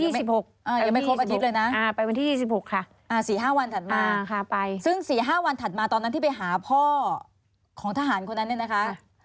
ยังไม่ครบอาทิตย์เลยนะไปวันที่๒๖ค่ะ๔๕วันถัดมาซึ่ง๔๕วันถัดมาตอนนั้นที่ไปหาพ่อของทหารคนนั้นเนี่ยนะคะ